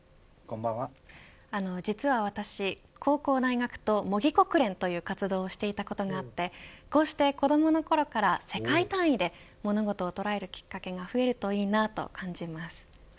実は私、２高校、大学と模擬国連という活動をしていたことがあってこうして子どものころから、世界単位で物事を捉えるきっかけが増えるといいなと感じます。